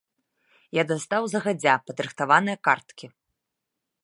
Я дастаў загадзя падрыхтаваныя карткі.